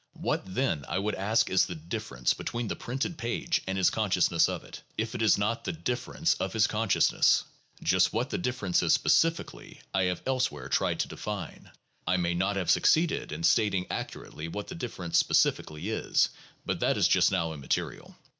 What, then, I would ask, is the difference between the printed page and his consciousness of it, if it is not the differ ence of his consciousness? Just what the difference is specifically, I have elsewhere tried to define. I may not have succeeded in stating accurately what the difference specifically is, but that is just now immaterial.